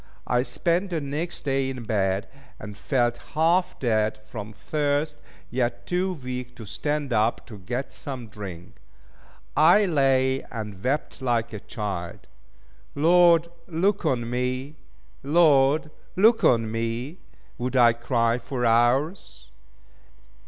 I spent the next day in bed, and felt half dead from thirst, yet too weak to stand up to get some drink. I lay and wept like a child. "Lord look on me! Lord look on me!" would I cry for hours.